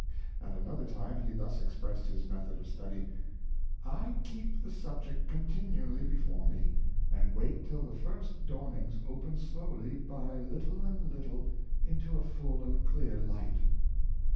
At another time he thus expressed his method of study: '' I keep the subject continual!}' before me, and wait till the first dawnings open slowly by little and little into a full and clear lio fit."